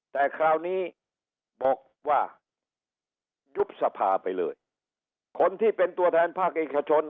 แต่คราวนี้บอกว่ายุบสภาไปเลยคนที่เป็นตัวแทนภาคเอกชน